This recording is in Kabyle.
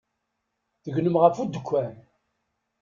Tegnem ɣef udekkan.